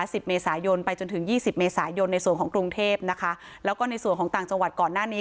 สิบเมษายนไปจนถึงยี่สิบเมษายนในส่วนของกรุงเทพนะคะแล้วก็ในส่วนของต่างจังหวัดก่อนหน้านี้